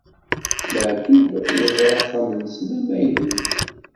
Maɛṭub yeẓra axxam-nsen amaynut.